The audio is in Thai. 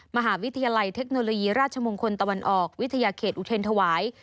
มหาวิทยาลัยเทคโนโลยีราชมงคลตะวันออกวิทยาเขตอุเทรนธวาย